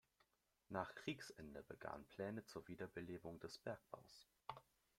Nach Kriegsende begannen Pläne zur Wiederbelebung des Bergbaus.